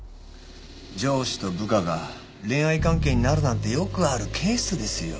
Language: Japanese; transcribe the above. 上司と部下が恋愛関係になるなんてよくあるケースですよ。